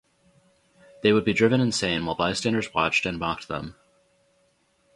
They would be driven insane while bystanders watched and mocked them.